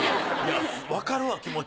わかるわ気持ち。